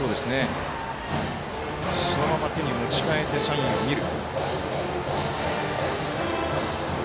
そのまま手に持ち替えてサインを見る。